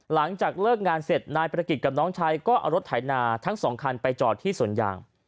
หลังจากเลิกงานเสร็จนายประกิจกับน้องชายก็เอารถไถนาทั้งสองคันไปจอดที่สวนยาง